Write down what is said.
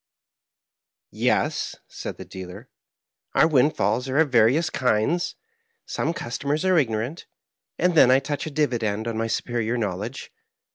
" Yes," said the dealer, " our windfalls are ot various kinds. Some customers are ignorant, and then I touch a dividend on my superior knowledge.